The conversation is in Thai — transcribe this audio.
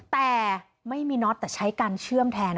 แต่ไม่มีน็อตแต่ใช้การเชื่อมแทน